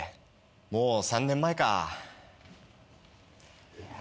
もう３年前か。